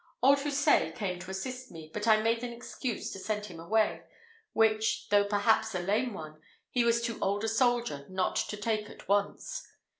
Old Houssaye came to assist me, but I made an excuse to send him away, which, though perhaps a lame one, he was too old a soldier not to take at once.